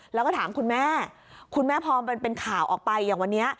แล้วก็ถามคุณแม่คุณแม่พอมันเป็นข่าวออกไปอย่างวันนี้